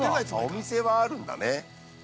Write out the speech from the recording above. ◆お店はあるんだね。